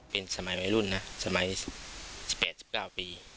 เป็นสมัยวัยรุ่นนะสมัย๑๘๑๙ปี